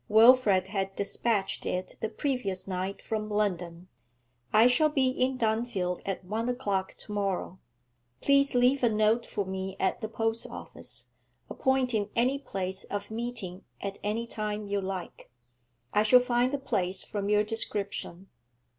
Wilfrid had despatched it the previous night from London. 'I shall be in Dunfield at one o'clock to morrow. Please leave a note for me at the post office, appointing any place of meeting at any time you like. I shall find the place from your description.'